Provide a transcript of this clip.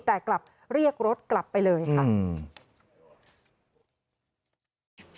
แต่กลับเรียกรถกลับไปเลยค่ะอืม